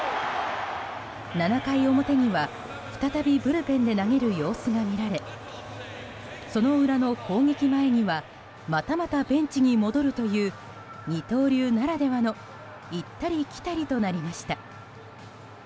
７回表には再びブルペンで投げる様子が見られその裏の攻撃前にはまたまたベンチに戻るという二刀流ならではの行ったり来たりとなりました。